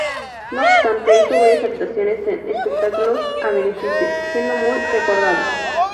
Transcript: No obstante, hizo varias actuaciones en espectáculos a beneficio, siendo muy recordado.